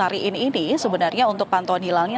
hari ini sebenarnya untuk pantauan hilalnya